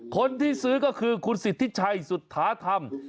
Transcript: คนที่ซื้อก็คือคุณสิทธิชัยสุธาธรรม